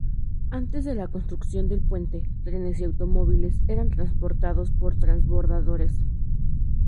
Antes de la construcción del puente, trenes y automóviles eran transportados por transbordadores.